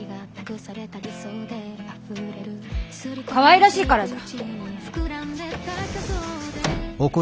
かわいらしいからじゃ。